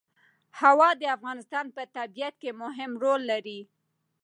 هوا د افغانستان په طبیعت کې مهم رول لري.